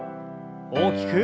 大きく。